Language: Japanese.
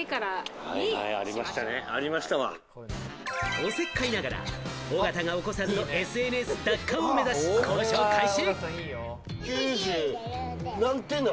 おせっかいながら、尾形がお子さんのＳＮＳ奪還を目指し交渉開始。